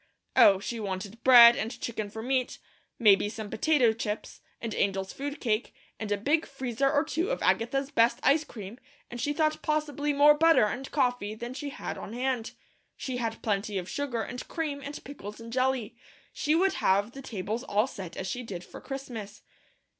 Oh, she wanted bread, and chicken for meat, maybe some potato chips, and Angel's Food cake, and a big freezer or two of Agatha's best ice cream, and she thought possibly more butter, and coffee, than she had on hand. She had plenty of sugar, and cream, and pickles and jelly. She would have the tables all set as she did for Christmas.